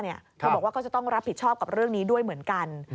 เธอบอกว่าก็จะต้องรับผิดชอบกับเรื่องนี้ด้วยเหมือนกัน